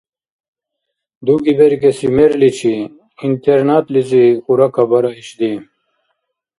— Дуги беркӏеси мерличи — интернатлизи — хьуракабара ишди.